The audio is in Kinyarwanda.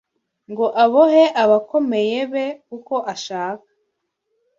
Ngo abohe abakomeye be uko ashaka